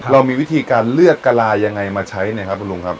เรามีวิธีการเลือกกะลายังไงมาใช้นะครับคุณลุงครับ